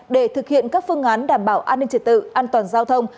để thực hiện các phương án đảm bảo an ninh trật tự an toàn giao thông